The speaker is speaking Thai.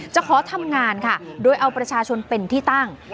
ขอทำงานค่ะโดยเอาประชาชนเป็นที่ตั้ง